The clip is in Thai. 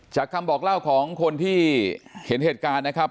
คำบอกเล่าของคนที่เห็นเหตุการณ์นะครับ